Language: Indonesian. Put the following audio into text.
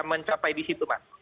kita sudah bisa mencapai di situ mas